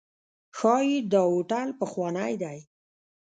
ښایي دا هوټل پخوانی دی.